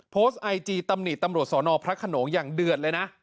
โพสต์ไอจีตำหนิตำรวจสอนอพระขนงอย่างเดือดเลยนะ